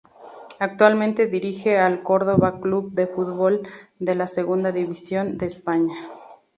Actualmente dirige al Córdoba Club de Fútbol de la Segunda División B de España.